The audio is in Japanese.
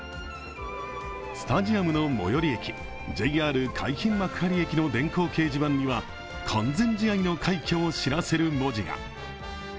スタジアムの最寄り駅ＪＲ海浜幕張駅の電光掲示板には完全試合の快挙を知らせる文字が。